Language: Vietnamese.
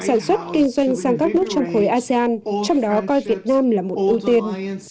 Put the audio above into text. sản xuất kinh doanh sang các nước trong khối asean trong đó coi việt nam là một ưu tiên